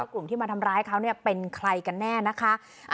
กลุ่มที่มาทำร้ายเขาเป็นใครกันแน่นะคะ